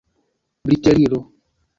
briteliro